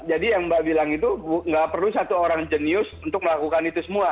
jadi yang mbak bilang itu nggak perlu satu orang jenius untuk melakukan itu semua